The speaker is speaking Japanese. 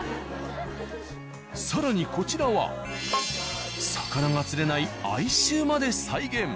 更にこちらは魚が釣れない哀愁まで再現。